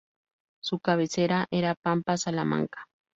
Su cabecera era Pampa Salamanca.